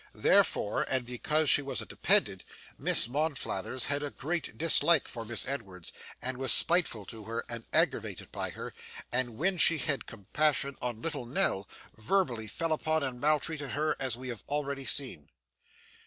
Therefore, and because she was a dependent, Miss Monflathers had a great dislike to Miss Edwards, and was spiteful to her, and aggravated by her, and, when she had compassion on little Nell, verbally fell upon and maltreated her as we have already seen.